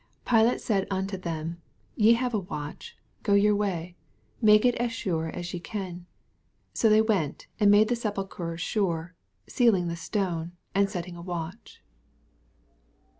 65 Pilate said unto them, Te have a watch : go your way, make U assure as ye can. 66 So they went, and made the sepulchre sure, sealing the stone, and setting a watch.